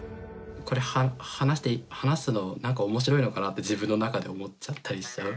これ話すのなんか面白いのかなって自分の中で思っちゃったりしちゃう。